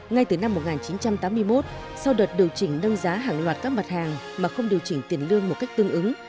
ngay từ năm một nghìn chín trăm tám mươi một sau đợt điều chỉnh nâng giá hàng loạt các mặt hàng mà không điều chỉnh tiền lương một cách tương ứng